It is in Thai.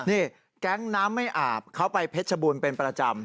นี่แก๊งน้ำไม่อาบเขาไปเพชรบูรณ์เป็นประจำ